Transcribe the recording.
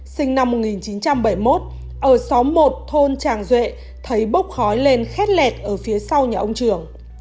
sinh năm một nghìn chín trăm bảy mươi một ở xóm một thôn tràng duệ thấy bốc khói lên khét lẹt ở phía sau nhà ông trường